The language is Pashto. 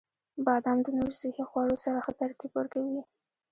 • بادام د نورو صحي خوړو سره ښه ترکیب ورکوي.